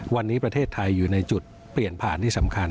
วันนี้ประเทศไทยอยู่ในจุดเปลี่ยนผ่านที่สำคัญ